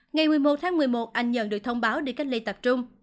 ngày một mươi một tháng một mươi một anh nhận được thông báo để cách ly tập trung